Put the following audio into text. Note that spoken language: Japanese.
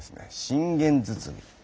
信玄堤。